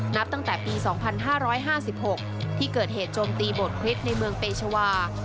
นับตั้งแต่ปีสองพันห้าร้อยห้าสิบหกที่เกิดเหตุโจมตีบทคริสต์ในเมืองเปชวา